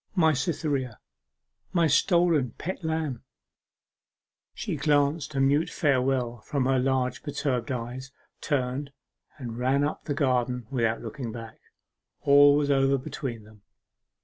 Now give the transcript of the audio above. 'My Cytherea! my stolen pet lamb!' She glanced a mute farewell from her large perturbed eyes, turned, and ran up the garden without looking back. All was over between them.